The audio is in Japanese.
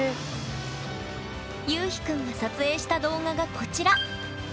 ゆうひくんが撮影した動画がこちら。